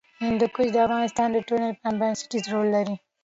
هندوکش د افغانستان د ټولنې لپاره بنسټيز رول لري.